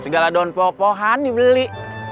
segala daun poh pohan dibeli